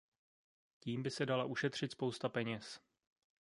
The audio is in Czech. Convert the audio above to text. Tím by se dala ušetřit spousta peněz.